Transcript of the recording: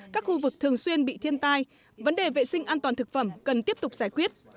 các khu vực thường xuyên bị thiên tai vấn đề vệ sinh an toàn thực phẩm cần tiếp tục giải quyết